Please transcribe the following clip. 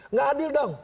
nggak adil dong